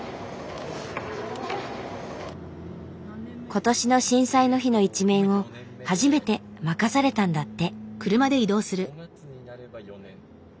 今年の震災の日の１面を初めて任されたんだって。